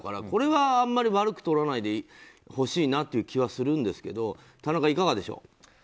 これはあまり悪くとらないでほしいなという気はするんですけど田中、いかがでしょう。